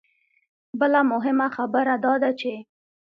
بله مهمه خبره دا ده چې